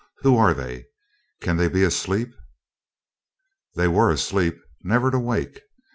'Who are they? Can they be asleep?' They were asleep, never to wake.